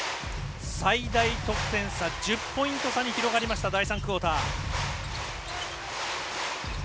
最大得点差１０ポイント差に広がりました、第３クオーター。